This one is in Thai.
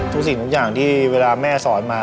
สิ่งทุกอย่างที่เวลาแม่สอนมา